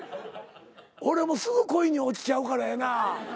俺すぐ恋に落ちちゃうからやな。